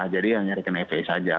jadi hanya rekening fpi saja